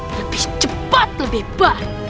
lebih cepat lebih baik